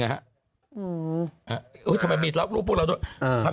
ง่ายสุดคุณความเป็นแบบโอ้โหคุณแม่โลเทส